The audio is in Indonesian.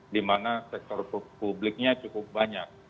di mana sektor publiknya cukup banyak